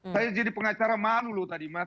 saya jadi pengacara malu loh tadi mas